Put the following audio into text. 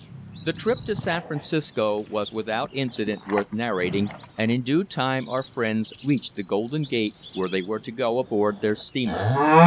The trip to San Francisco was without incident worth narrating and in due time our friends reached the Golden Gate where they were to go aboard their steamer.